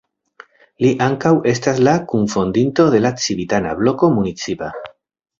Li ankaŭ estas la kunfondinto de la Civitana Bloko Municipa.